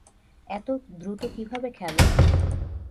এত দ্রুত কীভাবে খেলো?